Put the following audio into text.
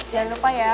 jangan lupa ya